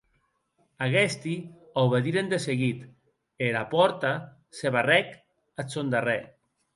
Aguesti aubediren de seguit e era pòrta se barrèc ath sòn darrèr.